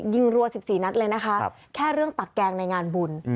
รัว๑๔นัดเลยนะคะแค่เรื่องตักแกงในงานบุญ